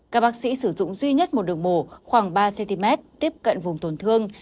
các bác sĩ sử dụng duy nhất một đường mồ khoảng ba cm tiếp cận vùng tổn thương